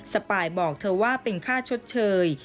สปายบอกเธอว่าเป็นค่าชดเชย